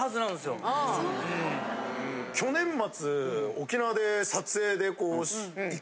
去年末。